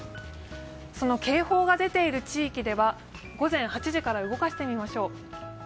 警報が出ている地域では午前８時から動かしてみましょう。